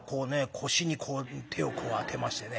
腰に手をこう当てましてね